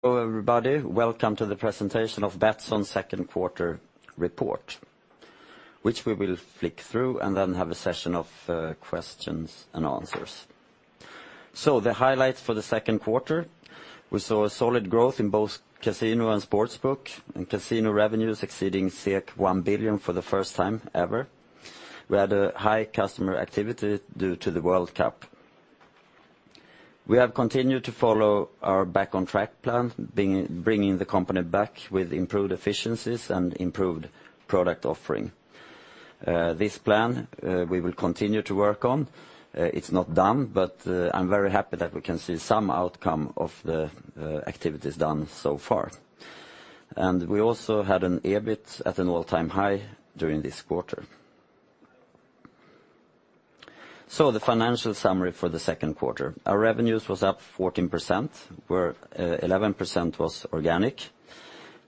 Hello, everybody. Welcome to the presentation of Betsson's second quarter report, which we will flick through and then have a session of questions and answers. The highlights for the second quarter, we saw a solid growth in both casino and sportsbook, and casino revenues exceeding 1 billion for the first time ever. We had a high customer activity due to the World Cup. We have continued to follow our Back on Track plan, bringing the company back with improved efficiencies and improved product offering. This plan we will continue to work on. It's not done, but I'm very happy that we can see some outcome of the activities done so far. We also had an EBIT at an all-time high during this quarter. The financial summary for the second quarter. Our revenues was up 14%, where 11% was organic.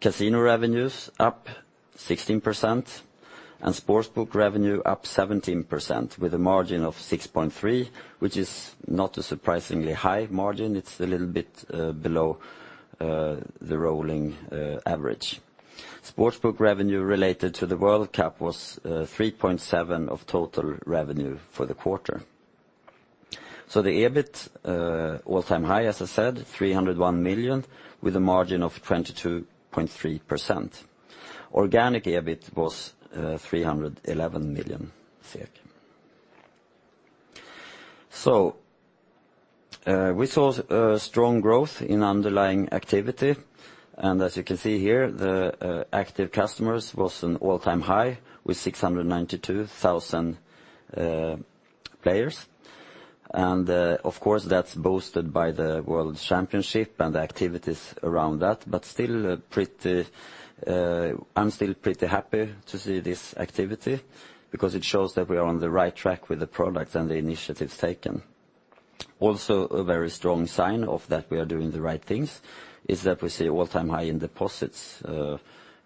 Casino revenues up 16%, sportsbook revenue up 17% with a margin of 6.3%, which is not a surprisingly high margin. It's a little bit below the rolling average. Sportsbook revenue related to the World Cup was 3.7% of total revenue for the quarter. The EBIT, all-time high, as I said, 301 million, with a margin of 22.3%. Organic EBIT was 311 million. We saw strong growth in underlying activity, and as you can see here, the active customers was an all-time high with 692,000 players. Of course, that's boosted by the World Championship and the activities around that, but I'm still pretty happy to see this activity because it shows that we are on the right track with the product and the initiatives taken. Also, a very strong sign of that we are doing the right things is that we see all-time high in deposits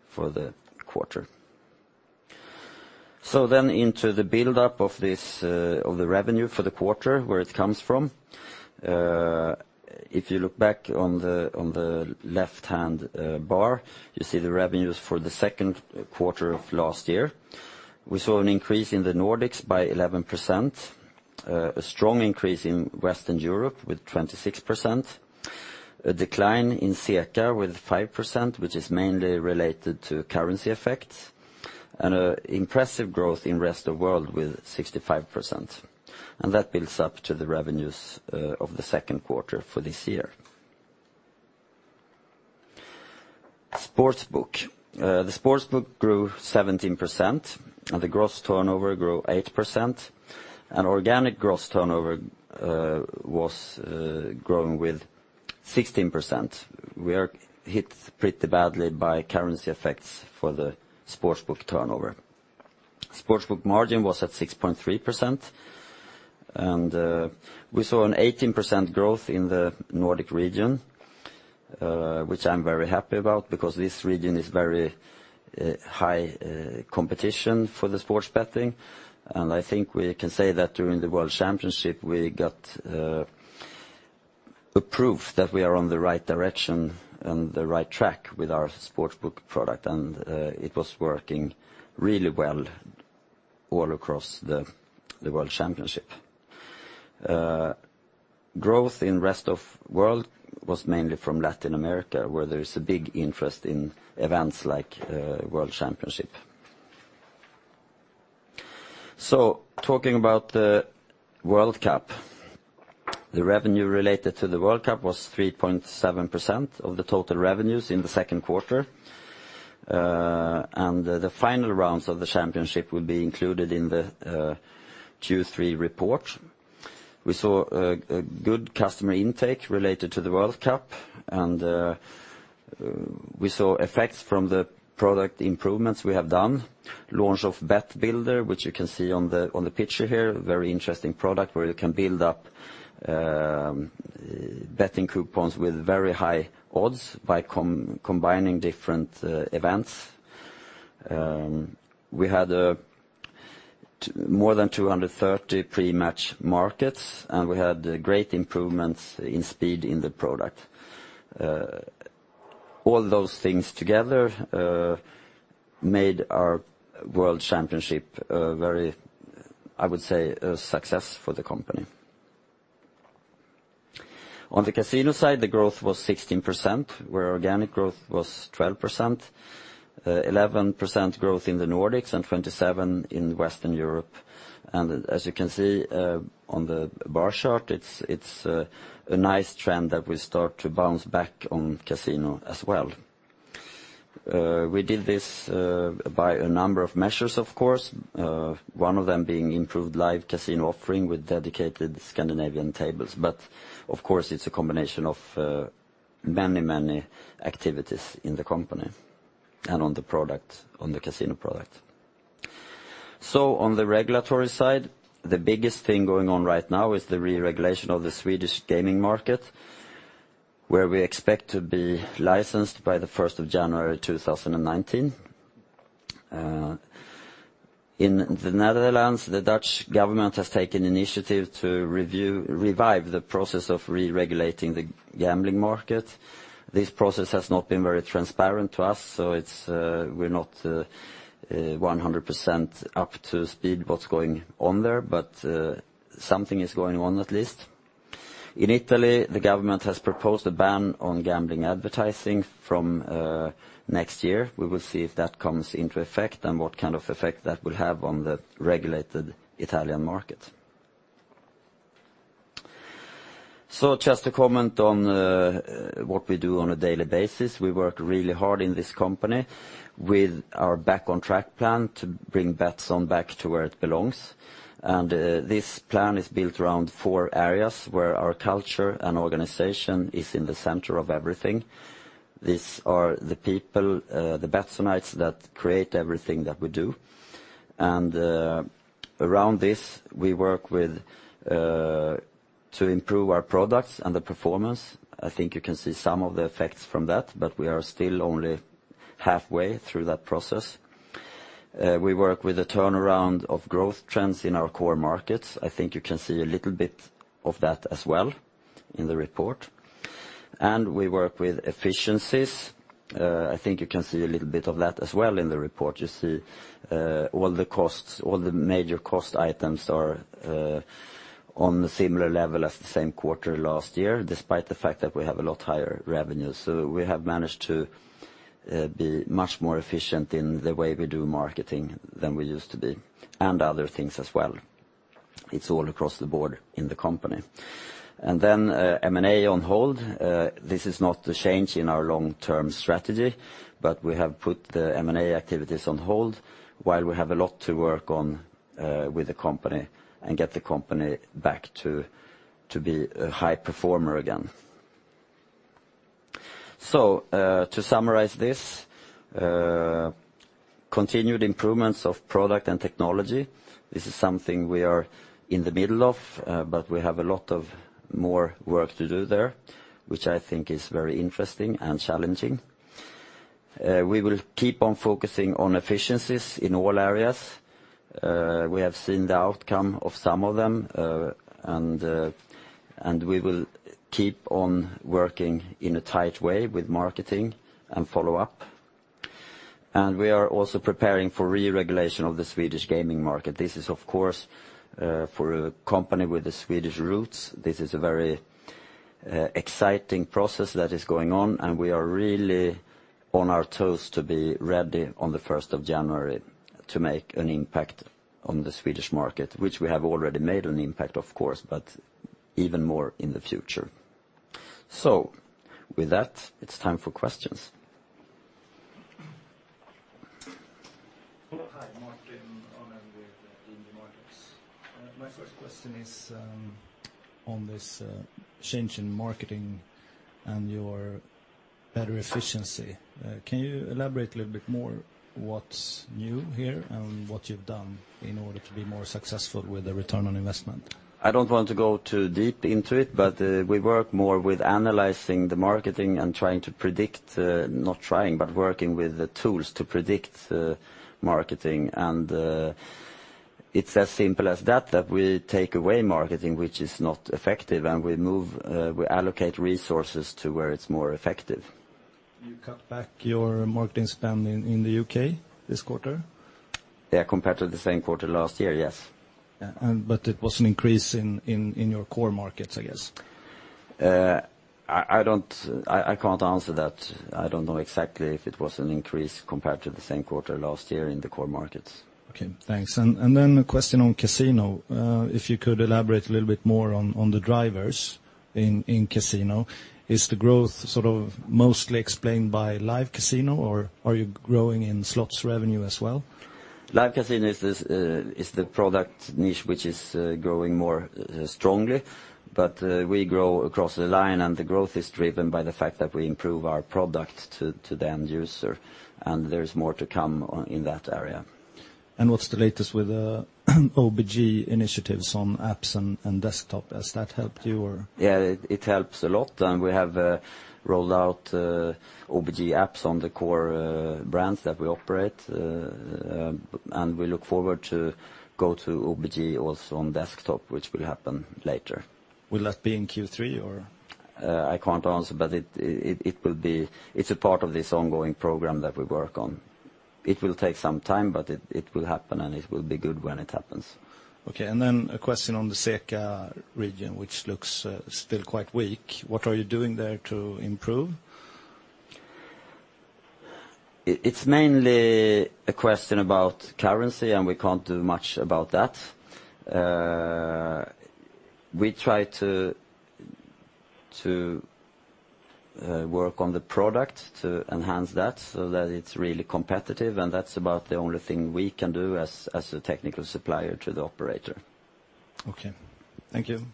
for the quarter. Into the buildup of the revenue for the quarter, where it comes from. If you look back on the left-hand bar, you see the revenues for the second quarter of last year. We saw an increase in the Nordics by 11%, a strong increase in Western Europe with 26%, a decline in CEECA with 5%, which is mainly related to currency effects, and an impressive growth in rest of world with 65%. That builds up to the revenues of the second quarter for this year. Sportsbook. The sportsbook grew 17% and the gross turnover grew 8%. Organic gross turnover was growing with 16%. We are hit pretty badly by currency effects for the sportsbook turnover. Sportsbook margin was at 6.3% and we saw an 18% growth in the Nordic region, which I'm very happy about because this region is very high competition for the sports betting, and I think we can say that during the World Championship, we got a proof that we are on the right direction and the right track with our sportsbook product, and it was working really well all across the World Championship. Growth in rest of world was mainly from Latin America, where there is a big interest in events like World Championship. Talking about the World Cup, the revenue related to the World Cup was 3.7% of the total revenues in the second quarter. The final rounds of the championship will be included in the Q3 report. We saw a good customer intake related to the World Cup, we saw effects from the product improvements we have done. Launch of Bet Builder, which you can see on the picture here, very interesting product where you can build up betting coupons with very high odds by combining different events. We had more than 230 pre-match markets, and we had great improvements in speed in the product. All those things together made our World Cup very, I would say, a success for the company. On the casino side, the growth was 16%, where organic growth was 12%, 11% growth in the Nordics and 27% in Western Europe. As you can see on the bar chart, it's a nice trend that we start to bounce back on casino as well. We did this by a number of measures, of course, one of them being improved live casino offering with dedicated Scandinavian tables. Of course, it's a combination of many activities in the company and on the casino product. On the regulatory side, the biggest thing going on right now is the re-regulation of the Swedish gaming market, where we expect to be licensed by the 1st of January 2019. In the Netherlands, the Dutch government has taken initiative to revive the process of re-regulating the gambling market. This process has not been very transparent to us, we're not 100% up to speed what's going on there, but something is going on at least. In Italy, the government has proposed a ban on gambling advertising from next year. We will see if that comes into effect and what kind of effect that will have on the regulated Italian market. Just to comment on what we do on a daily basis, we work really hard in this company with our Back on Track plan to bring Betsson back to where it belongs. This plan is built around four areas where our culture and organization is in the center of everything. These are the people, the Betssonites that create everything that we do. Around this, we work to improve our products and the performance. I think you can see some of the effects from that, but we are still only halfway through that process. We work with a turnaround of growth trends in our core markets. I think you can see a little bit of that as well in the report. We work with efficiencies. I think you can see a little bit of that as well in the report. You see all the major cost items are on a similar level as the same quarter last year, despite the fact that we have a lot higher revenues. We have managed to be much more efficient in the way we do marketing than we used to be, and other things as well. It's all across the board in the company. M&A on hold. This is not a change in our long-term strategy, but we have put the M&A activities on hold while we have a lot to work on with the company and get the company back to be a high performer again. To summarize this, continued improvements of product and technology. This is something we are in the middle of, but we have a lot of more work to do there, which I think is very interesting and challenging. We will keep on focusing on efficiencies in all areas. We have seen the outcome of some of them, and we will keep on working in a tight way with marketing and follow up. We are also preparing for re-regulation of the Swedish gaming market. This is, of course for a company with the Swedish roots, this is a very exciting process that is going on, and we are really on our toes to be ready on the 1st of January to make an impact on the Swedish market, which we have already made an impact, of course, but even more in the future. With that, it's time for questions. Hi, Martin. Hi. Martin with DNB Markets. My first question is on this change in marketing and your better efficiency. Can you elaborate a little bit more what's new here and what you've done in order to be more successful with the return on investment? I don't want to go too deep into it, but we work more with analyzing the marketing and trying to predict, not trying, but working with the tools to predict marketing. It's as simple as that we take away marketing which is not effective, and we allocate resources to where it's more effective. You cut back your marketing spend in the U.K. this quarter? Yeah, compared to the same quarter last year, yes. It was an increase in your core markets, I guess. I can't answer that. I don't know exactly if it was an increase compared to the same quarter last year in the core markets. Okay, thanks. A question on casino. If you could elaborate a little bit more on the drivers in casino. Is the growth sort of mostly explained by live casino, or are you growing in slots revenue as well? Live casino is the product niche which is growing more strongly, but we grow across the line, and the growth is driven by the fact that we improve our product to the end user, and there is more to come in that area. What's the latest with OBG initiatives on apps and desktop? Has that helped you or? Yeah, it helps a lot, and we have rolled out OBG apps on the core brands that we operate. We look forward to go to OBG also on desktop, which will happen later. Will that be in Q3, or? I can't answer, but it's a part of this ongoing program that we work on. It will take some time, but it will happen, and it will be good when it happens. Okay, a question on the CEECA region, which looks still quite weak. What are you doing there to improve? It's mainly a question about currency, and we can't do much about that. We try to work on the product to enhance that so that it's really competitive, and that's about the only thing we can do as a technical supplier to the operator. Okay. Thank you.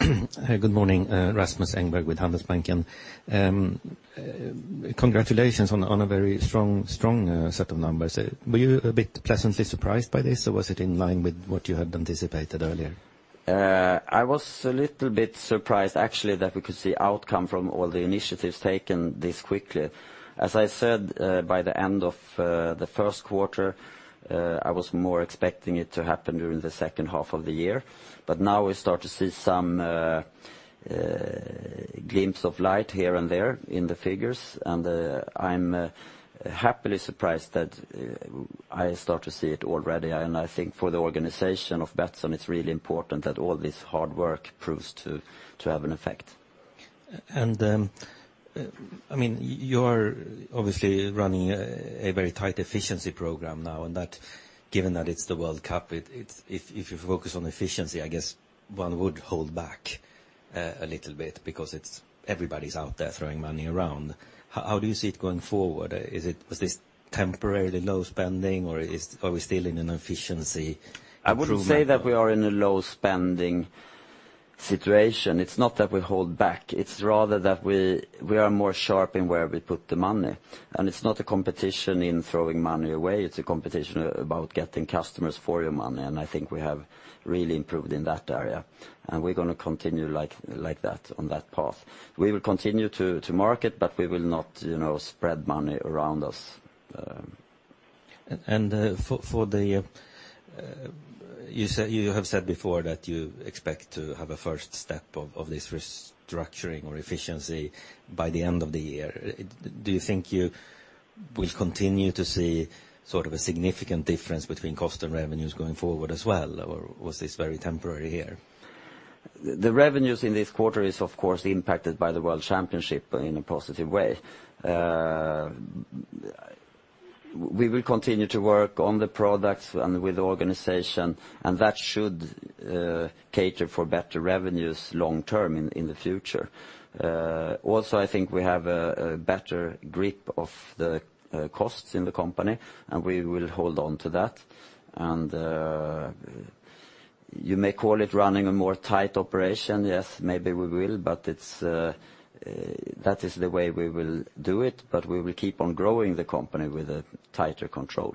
Good morning, Rasmus Engberg with Handelsbanken. Congratulations on a very strong set of numbers. Were you a bit pleasantly surprised by this, or was it in line with what you had anticipated earlier? I was a little bit surprised, actually, that we could see outcome from all the initiatives taken this quickly. As I said, by the end of the first quarter, I was more expecting it to happen during the second half of the year. Now we start to see some glimpse of light here and there in the figures, and I'm happily surprised that I start to see it already. I think for the organization of Betsson, it's really important that all this hard work proves to have an effect. You are obviously running a very tight efficiency program now, and given that it's the World Cup, if you focus on efficiency, I guess one would hold back a little bit because everybody's out there throwing money around. How do you see it going forward? Is this temporarily low spending, or are we still in an efficiency improvement? I wouldn't say that we are in a low spending situation. It's not that we hold back. It's rather that we are more sharp in where we put the money. It's not a competition in throwing money away. It's a competition about getting customers for your money, and I think we have really improved in that area. We're going to continue on that path. We will continue to market, but we will not spread money around us. You have said before that you expect to have a first step of this restructuring or efficiency by the end of the year. Do you think you will continue to see sort of a significant difference between cost and revenues going forward as well, or was this very temporary here? The revenues in this quarter is, of course, impacted by the World Cup in a positive way. We will continue to work on the products and with the organization, and that should cater for better revenues long term in the future. Also, I think we have a better grip of the costs in the company, and we will hold on to that. You may call it running a more tight operation. Yes, maybe we will, but that is the way we will do it, but we will keep on growing the company with a tighter control.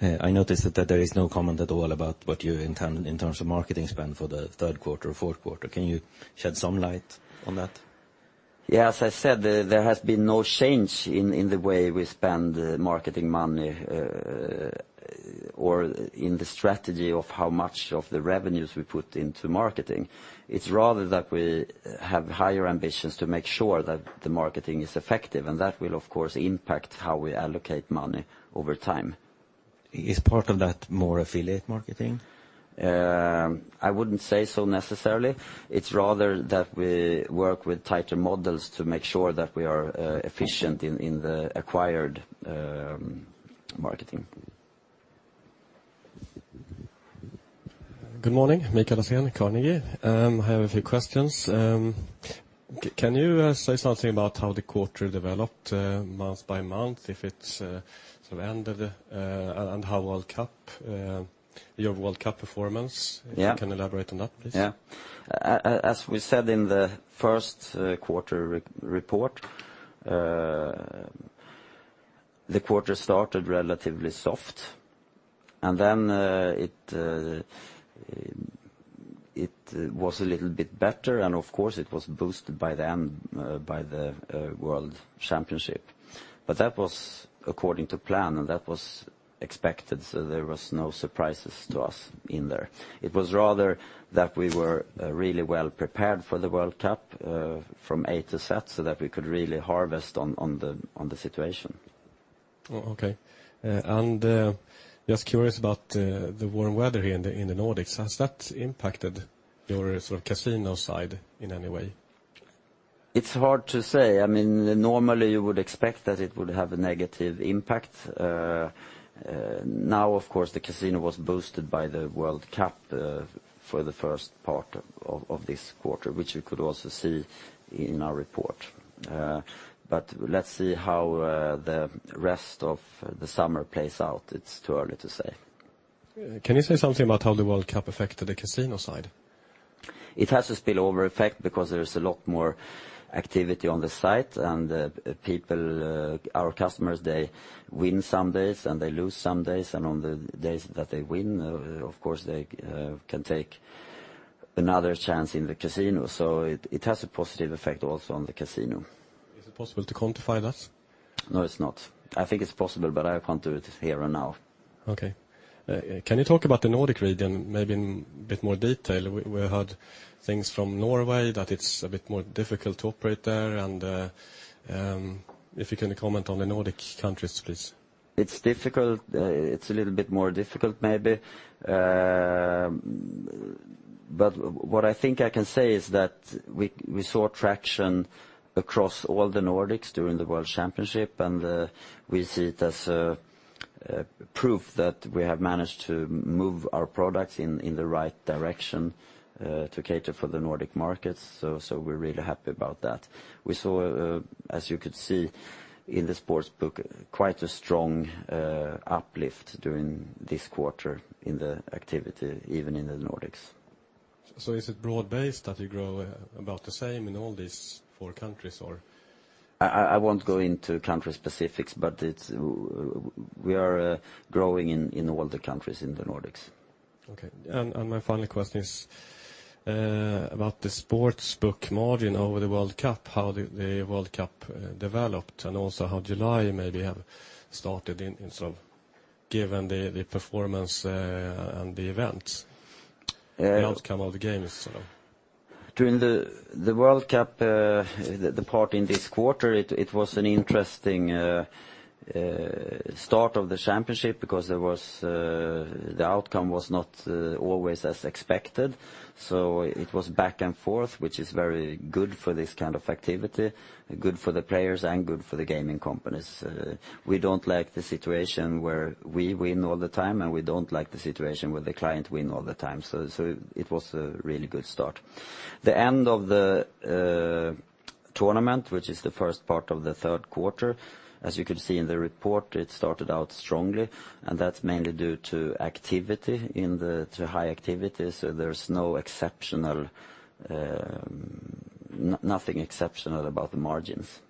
I noticed that there is no comment at all about what you intend in terms of marketing spend for the third quarter or fourth quarter. Can you shed some light on that? Yeah, as I said, there has been no change in the way we spend marketing money or in the strategy of how much of the revenues we put into marketing. It's rather that we have higher ambitions to make sure that the marketing is effective, and that will, of course, impact how we allocate money over time. Is part of that more affiliate marketing? I wouldn't say so necessarily. It's rather that we work with tighter models to make sure that we are efficient in the acquired marketing. Good morning. Mikael Sandgren, Carnegie. I have a few questions. Can you say something about how the quarter developed month by month. Yeah if you can elaborate on that, please. Yeah. As we said in the first quarter report, the quarter started relatively soft, and then it was a little bit better, and of course it was boosted by the end, by the World Cup. That was according to plan, and that was expected, so there was no surprises to us in there. It was rather that we were really well prepared for the World Cup from A to Z, so that we could really harvest on the situation. Okay. Just curious about the warm weather here in the Nordics. Has that impacted your casino side in any way? It's hard to say. Normally you would expect that it would have a negative impact. Now, of course, the casino was boosted by the World Cup for the first part of this quarter, which you could also see in our report. Let's see how the rest of the summer plays out. It's too early to say. Can you say something about how the World Cup affected the casino side? It has a spillover effect because there is a lot more activity on the site. People, our customers, they win some days and they lose some days. On the days that they win, of course, they can take another chance in the casino. It has a positive effect also on the casino. Is it possible to quantify that? No, it's not. I think it's possible. I can't do it here and now. Okay. Can you talk about the Nordic region, maybe in a bit more detail? We heard things from Norway that it's a bit more difficult to operate there, and if you can comment on the Nordic countries, please. It's a little bit more difficult maybe. What I think I can say is that we saw traction across all the Nordics during the World Cup, and we see it as proof that we have managed to move our products in the right direction to cater for the Nordic markets. We're really happy about that. We saw, as you could see in the sportsbook, quite a strong uplift during this quarter in the activity, even in the Nordics. Is it broad-based that you grow about the same in all these four countries, or I won't go into country specifics, but we are growing in all the countries in the Nordics. Okay. My final question is about the sportsbook margin over the World Cup, how the World Cup developed, and also how July maybe have started, given the performance and the events, the outcome of the games. During the World Cup, the part in this quarter, it was an interesting start of the championship because the outcome was not always as expected. It was back and forth, which is very good for this kind of activity, good for the players and good for the gaming companies. We don't like the situation where we win all the time, and we don't like the situation where the client win all the time. It was a really good start. The end of the tournament, which is the first part of the third quarter, as you can see in the report, it started out strongly, and that's mainly due to high activity. There's nothing exceptional about the margins.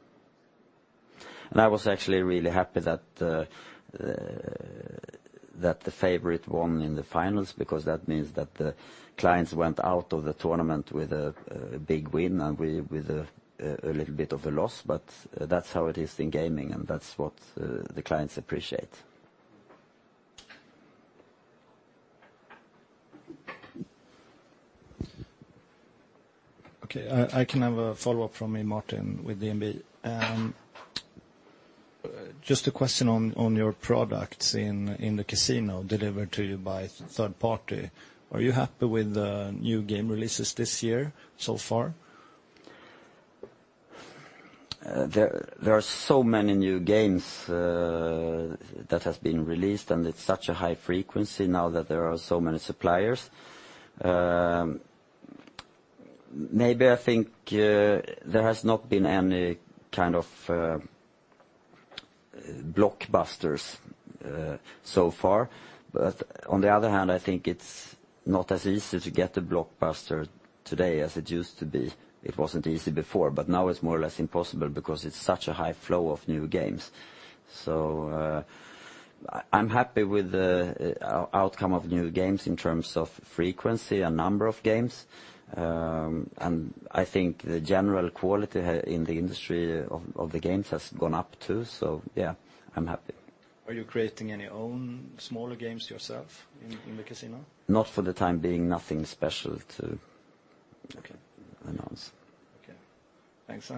I was actually really happy that the favorite won in the finals because that means that the clients went out of the tournament with a big win and we with a little bit of a loss, but that's how it is in gaming, and that's what the clients appreciate. Okay, I can have a follow-up from me, Martin, with DNB. Just a question on your products in the casino delivered to you by third party. Are you happy with the new game releases this year so far? There are so many new games that have been released. It's such a high frequency now that there are so many suppliers. Maybe, I think there has not been any kind of blockbusters so far. On the other hand, I think it's not as easy to get a blockbuster today as it used to be. It wasn't easy before, but now it's more or less impossible because it's such a high flow of new games. I'm happy with the outcome of new games in terms of frequency and number of games. I think the general quality in the industry of the games has gone up, too. Yeah, I'm happy. Are you creating any own smaller games yourself in the casino? Not for the time being, nothing special to announce. Okay. Thanks.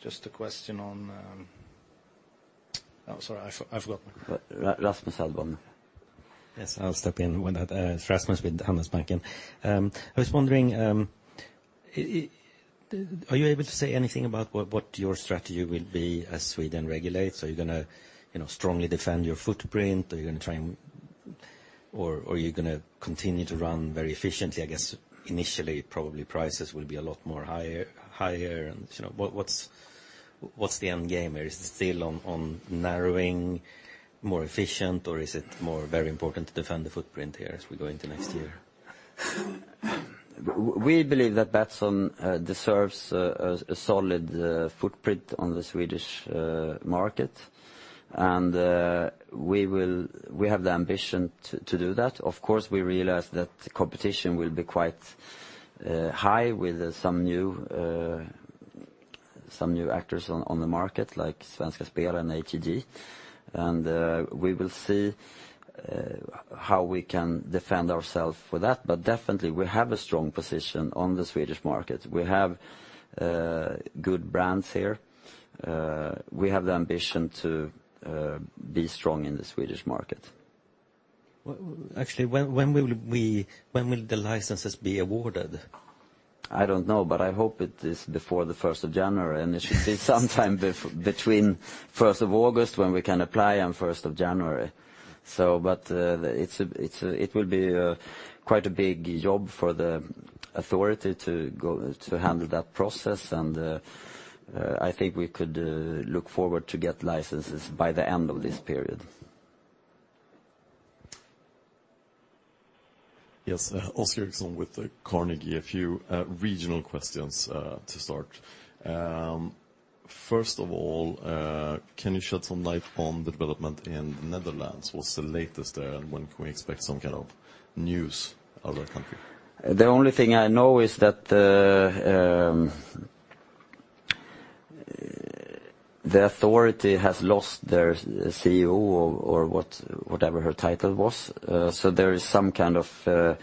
Just a question on-- I'm sorry, I forgot. Rasmus Engberg. Yes, I'll step in with that. It's Rasmus with Handelsbanken. I was wondering, are you able to say anything about what your strategy will be as Sweden regulates? Are you going to strongly defend your footprint? Are you going to continue to run very efficiently? I guess initially, probably prices will be a lot more higher. What's the end game here? Is it still on narrowing, more efficient, or is it more very important to defend the footprint here as we go into next year? We believe that Betsson deserves a solid footprint on the Swedish market. We have the ambition to do that. Of course, we realize that competition will be quite high with some new actors on the market, like Svenska Spel and ATG. We will see how we can defend ourselves for that. Definitely, we have a strong position on the Swedish market. We have good brands here. We have the ambition to be strong in the Swedish market. Actually, when will the licenses be awarded? I don't know, but I hope it is before the 1st of January, and it should be sometime between 1st of August, when we can apply, and 1st of January. It will be quite a big job for the authority to handle that process, and I think we could look forward to get licenses by the end of this period. Yes. Oscar Erixon with Carnegie. A few regional questions to start. First of all, can you shed some light on the development in Netherlands? What's the latest there, and when can we expect some kind of news out of that country? The only thing I know is that the authority has lost their CEO or whatever her title was. There is some kind of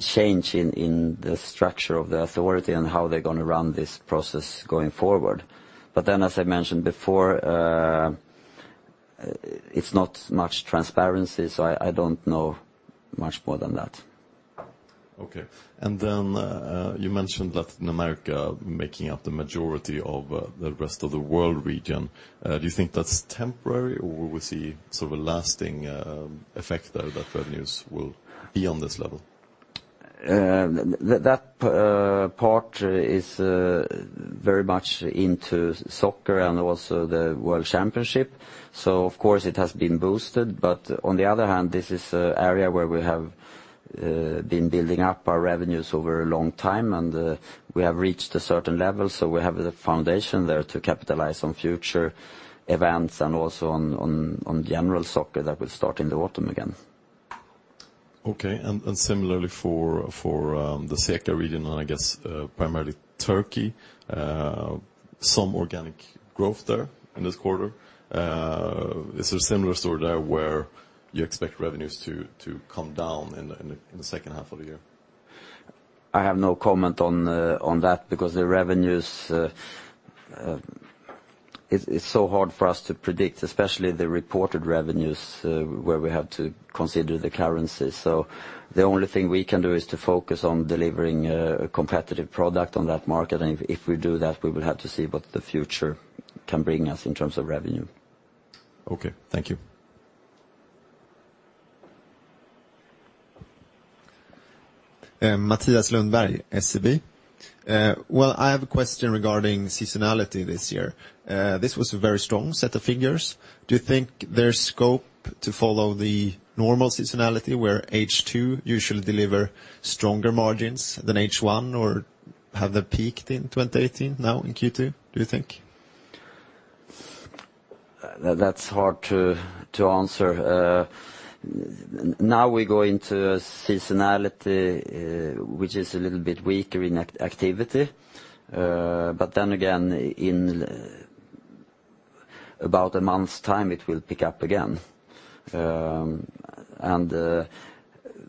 change in the structure of the authority and how they're going to run this process going forward. As I mentioned before, it's not much transparency, so I don't know much more than that. Okay. You mentioned Latin America making up the majority of the rest of the world region. Do you think that's temporary, or we will see sort of a lasting effect there that revenues will be on this level? That part is very much into soccer and also the World Cup. Of course, it has been boosted, on the other hand, this is an area where We've been building up our revenues over a long time, and we have reached a certain level. We have the foundation there to capitalize on future events and also on general soccer that will start in the autumn again. Okay. Similarly for the CEECA region, and I guess primarily Turkey, some organic growth there in this quarter. Is there a similar story there where you expect revenues to come down in the second half of the year? I have no comment on that because the revenues, it's so hard for us to predict, especially the reported revenues, where we have to consider the currency. The only thing we can do is to focus on delivering a competitive product on that market. If we do that, we will have to see what the future can bring us in terms of revenue. Okay. Thank you. Mathias Lundberg, SEB. I have a question regarding seasonality this year. This was a very strong set of figures. Do you think there's scope to follow the normal seasonality where H2 usually deliver stronger margins than H1, or have they peaked in 2018 now in Q2, do you think? That's hard to answer. Now we go into seasonality, which is a little bit weaker in activity. Again, in about a month's time, it will pick up again.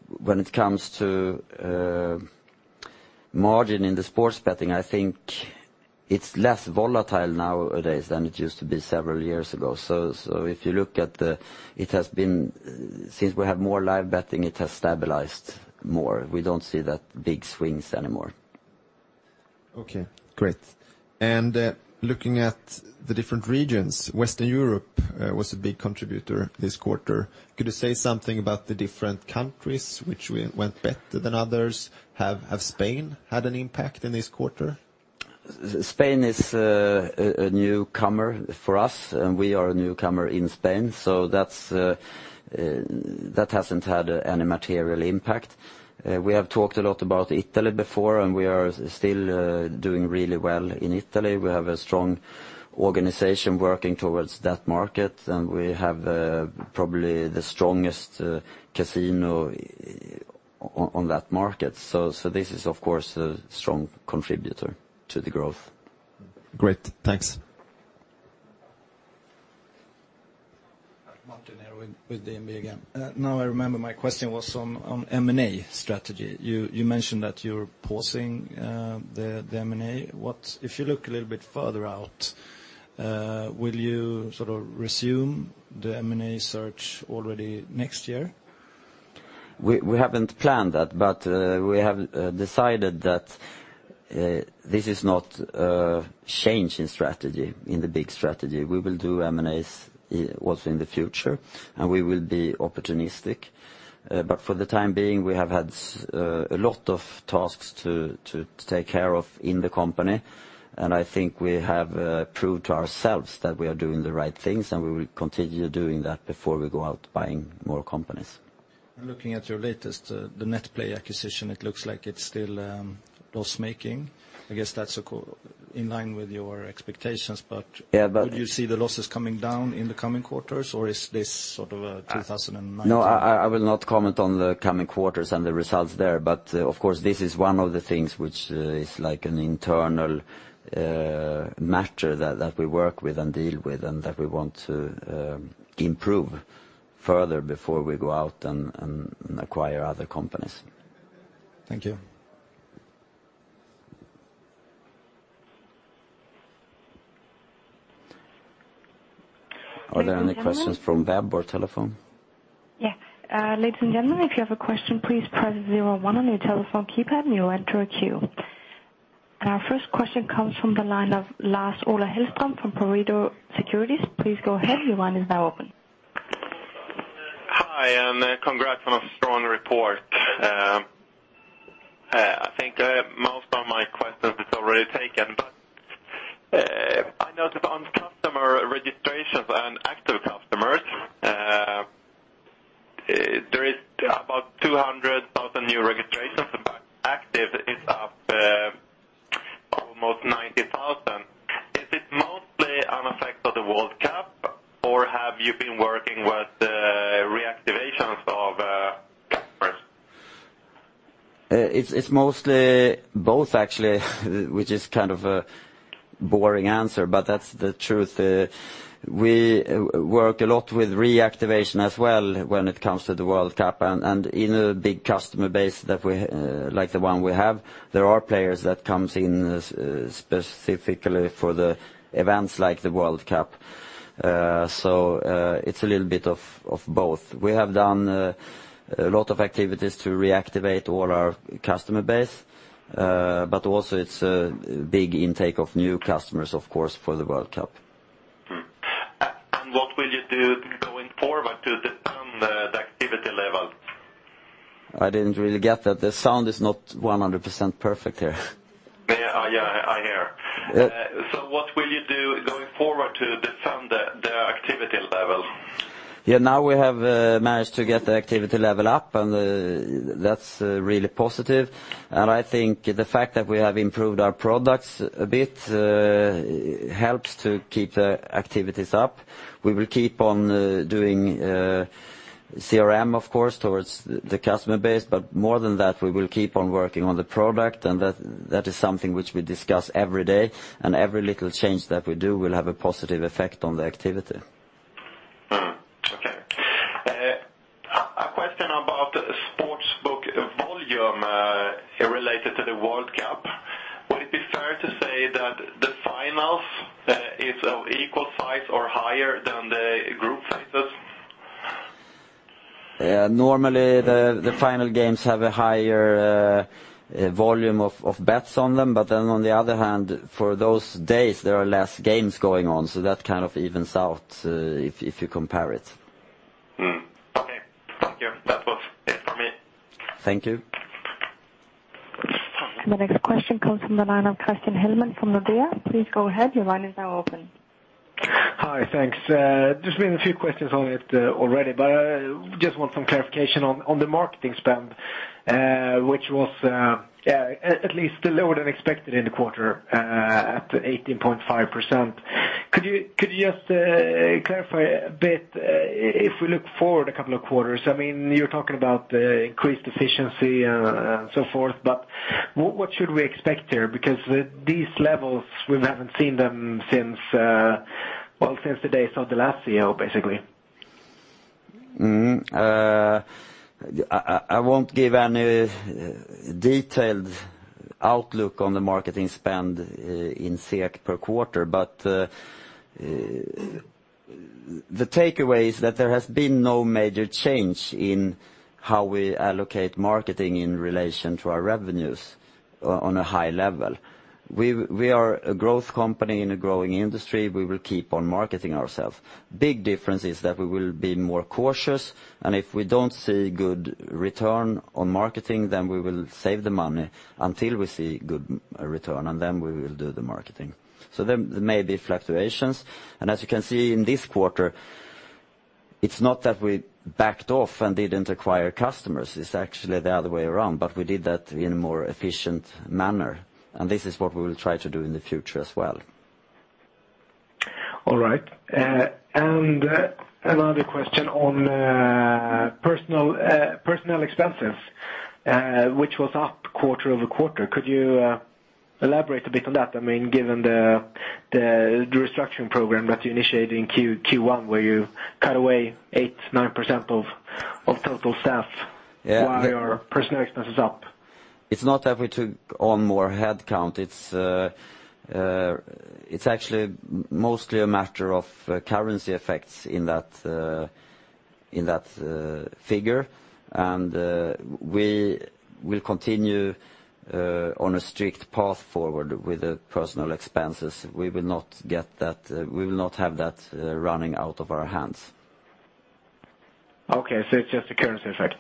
When it comes to margin in the sports betting, I think it's less volatile nowadays than it used to be several years ago. If you look at it has been since we have more live betting, it has stabilized more. We don't see that big swings anymore. Okay, great. Looking at the different regions, Western Europe was a big contributor this quarter. Could you say something about the different countries which went better than others? Have Spain had an impact in this quarter? Spain is a newcomer for us, and we are a newcomer in Spain, so that hasn't had any material impact. We have talked a lot about Italy before, and we are still doing really well in Italy. We have a strong organization working towards that market, and we have probably the strongest casino on that market. This is, of course, a strong contributor to the growth. Great. Thanks. Martin here with DNB again. I remember my question was on M&A strategy. You mentioned that you're pausing the M&A. If you look a little bit further out, will you sort of resume the M&A search already next year? We haven't planned that, we have decided that this is not a change in strategy, in the big strategy. We will do M&As also in the future, we will be opportunistic. For the time being, we have had a lot of tasks to take care of in the company. I think we have proved to ourselves that we are doing the right things, and we will continue doing that before we go out buying more companies. Looking at your latest, the NetPlay acquisition, it looks like it's still loss-making. I guess that's in line with your expectations. Yeah, but- Would you see the losses coming down in the coming quarters? No, I will not comment on the coming quarters and the results there. Of course, this is one of the things which is like an internal matter that we work with and deal with and that we want to improve further before we go out and acquire other companies. Thank you. Are there any questions from web or telephone? Yes. Ladies and gentlemen, if you have a question, please press 01 on your telephone keypad and you'll enter a queue. Our first question comes from the line of Lars-Ola Hellström from Pareto Securities. Please go ahead. Your line is now open. Hi, congrats on a strong report. I think most of my questions is already taken, but I noticed on customer registrations and active customers, there is about 200,000 new registrations, but active is up almost 90,000. Is it mostly an effect of the World Cup or have you been working with reactivations of customers? It's mostly both actually, which is kind of a boring answer, but that's the truth. We work a lot with reactivation as well when it comes to the World Cup and in a big customer base like the one we have, there are players that comes in specifically for the events like the World Cup. It's a little bit of both. We have done a lot of activities to reactivate all our customer base, but also it's a big intake of new customers, of course, for the World Cup. What will you do going forward to defend the activity level? I didn't really get that. The sound is not 100% perfect here. What will you do going forward to defend the activity level? Yeah, now we have managed to get the activity level up, and that's really positive. I think the fact that we have improved our products a bit helps to keep the activities up. We will keep on doing CRM, of course, towards the customer base. More than that, we will keep on working on the product, and that is something which we discuss every day, and every little change that we do will have a positive effect on the activity. Okay. A question about the sportsbook volume related to the World Cup. Would it be fair to say that the finals is of equal size or higher than the group phases? Normally, the final games have a higher volume of bets on them. On the other hand, for those days, there are less games going on, so that kind of evens out if you compare it. Okay, thank you. That was it for me. Thank you. The next question comes from the line of Christian Hellman from Nordea. Please go ahead. Your line is now open. Hi, thanks. There's been a few questions on it already, but I just want some clarification on the marketing spend, which was at least lower than expected in the quarter, at 18.5%. Could you just clarify a bit, if we look forward a couple of quarters, you're talking about increased efficiency and so forth, but what should we expect here? Because these levels, we haven't seen them since the days of the last CEO, basically. I won't give any detailed outlook on the marketing spend in SEK per quarter. The takeaway is that there has been no major change in how we allocate marketing in relation to our revenues on a high level. We are a growth company in a growing industry. We will keep on marketing ourself. Big difference is that we will be more cautious. If we don't see good return on marketing, then we will save the money until we see good return. Then we will do the marketing. There may be fluctuations. As you can see in this quarter, it's not that we backed off and didn't acquire customers. It's actually the other way around. We did that in a more efficient manner, and this is what we will try to do in the future as well. All right. Another question on personnel expenses, which was up quarter-over-quarter. Could you elaborate a bit on that? Given the restructuring program that you initiated in Q1 where you cut away 8%-9% of total staff. Yeah. Why are personnel expenses up? It's not that we took on more headcount. It's actually mostly a matter of currency effects in that figure, and we will continue on a strict path forward with the personnel expenses. We will not have that running out of our hands. Okay, it's just a currency effect.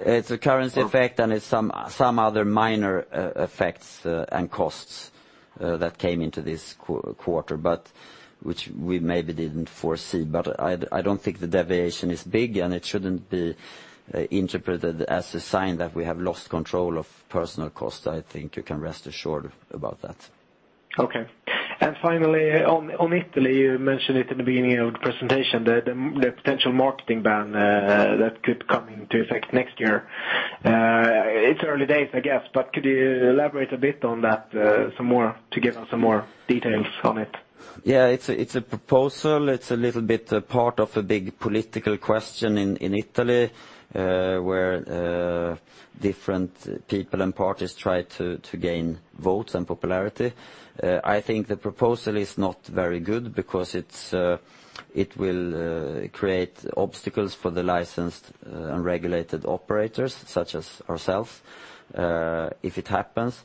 It's a currency effect, and it's some other minor effects and costs that came into this quarter, which we maybe didn't foresee, but I don't think the deviation is big, and it shouldn't be interpreted as a sign that we have lost control of personnel costs. I think you can rest assured about that. Okay. Finally, on Italy, you mentioned it in the beginning of the presentation, the potential marketing ban that could come into effect next year. It's early days, I guess, could you elaborate a bit on that, to give us some more details on it? Yeah, it's a proposal. It's a little bit part of a big political question in Italy, where different people and parties try to gain votes and popularity. I think the proposal is not very good because it will create obstacles for the licensed and regulated operators such as ourselves, if it happens.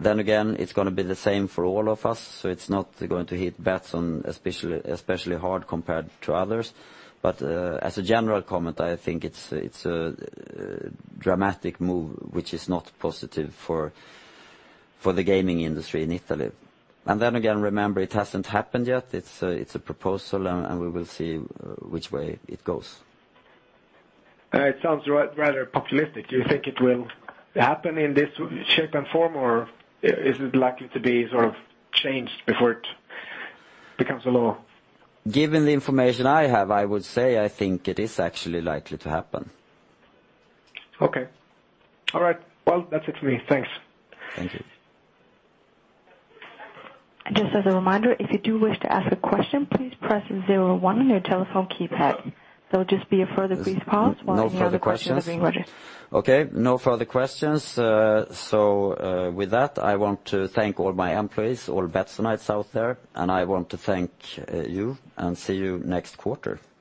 Again, it's going to be the same for all of us, so it's not going to hit Betsson especially hard compared to others. As a general comment, I think it's a dramatic move which is not positive for the gaming industry in Italy. Then again, remember, it hasn't happened yet. It's a proposal, we will see which way it goes. It sounds rather populistic. Do you think it will happen in this shape and form, or is it likely to be sort of changed before it becomes a law? Given the information I have, I would say I think it is actually likely to happen. Okay. All right. Well, that's it for me. Thanks. Thank you. Just as a reminder, if you do wish to ask a question, please press 01 on your telephone keypad. There will just be a further brief pause while your question is being registered. No further questions. Okay, no further questions, so with that, I want to thank all my employees, all Betssonites out there, and I want to thank you and see you next quarter. Bye